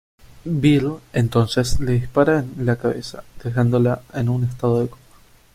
Bill entonces le dispara en la cabeza, dejándola en un estado de coma.